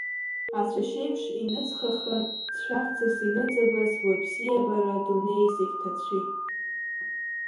Ацәашь еиԥш иныҵхахан, ӡшәахҵас иныҵабаз, лыбзиабара адунеи зегьы ҭацәит.